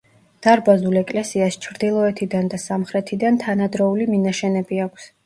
დარბაზულ ეკლესიას ჩრდილოეთიდან და სამხრეთიდან თანადროული მინაშენები აქვს.